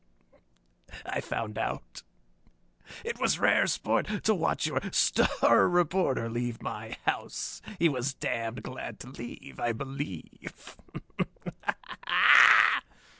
I found out. It was rare sport to watch your star reporter leave my house. He was damned glad to leave, I believe...."